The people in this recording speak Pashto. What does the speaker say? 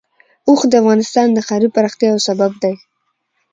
اوښ د افغانستان د ښاري پراختیا یو سبب دی.